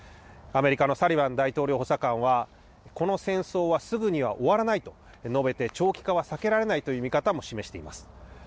アメリカのサリバン大統領補佐官は、この戦争はすぐには終わらないと述べて、長期化は避けられないという見方も示しています。